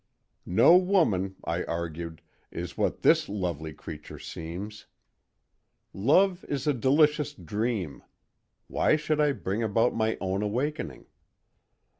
No woman, I argued, is what this lovely creature seems. Love is a delicious dream; why should I bring about my own awakening?